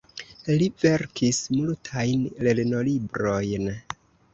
Li verkis multajn lernolibrojn.